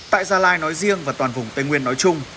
tại gia lai nói riêng và toàn vùng tây nguyên nói chung